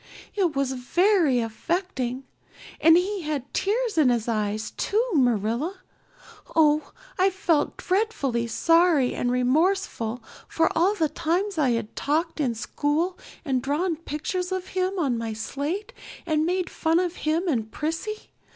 It was very affecting. And he had tears in his eyes too, Marilla. Oh, I felt dreadfully sorry and remorseful for all the times I'd talked in school and drawn pictures of him on my slate and made fun of him and Prissy.